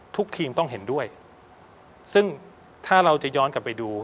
ทุกทีมต้องเห็นด้วยซึ่งถ้าเราจะย้อนกลับไปดู